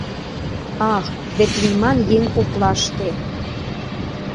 Ах, вет лийман еҥ коклаште.